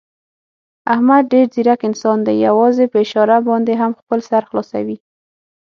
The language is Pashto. احمد ډېر ځیرک انسان دی، یووازې په اشاره باندې هم خپل سر خلاصوي.